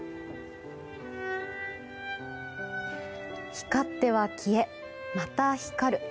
光っては消え、また光る。